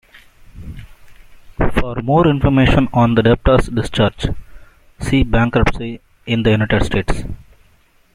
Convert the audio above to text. For more information on the debtor's discharge, see Bankruptcy in the United States.